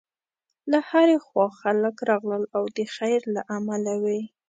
له هرې خوا خلک راغلل او د خیر له امله وې.